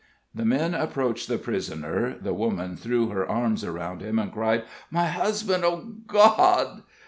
The men approached the prisoner the woman threw her arms around him, and cried: "My husband! Oh, God!"